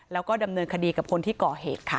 แล้วก็ดำเนินคดีกับคนที่ก่อเหตุค่ะ